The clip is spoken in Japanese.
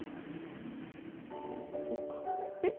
こうこうか。えっ？